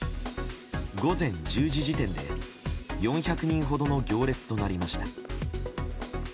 午前１０時時点で４００人ほどの行列となりました。